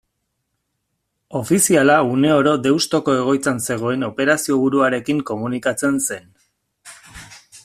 Ofiziala une oro Deustuko egoitzan zegoen operazioburuarekin komunikatzen zen.